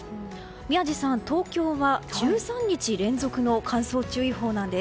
宮司さん、東京は１３日連続の乾燥注意報なんです。